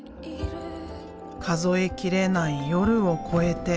数えきれない夜を超えて。